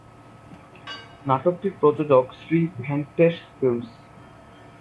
নাটকটির প্রযোজক শ্রী ভেঙ্কটেশ ফিল্মস।